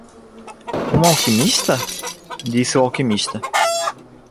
"Um alquimista?" disse o alquimista.